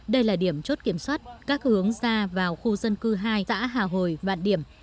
đây là điểm chốt kiểm soát các hướng ra vào khu dân cư hai xã hà hồi vạn điểm